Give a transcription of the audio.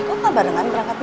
kok kabar dengan berangkatnya